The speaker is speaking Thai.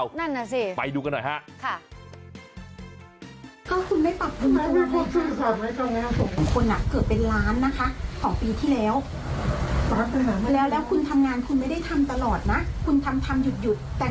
นั่นน่ะสิไปดูกันหน่อยฮะ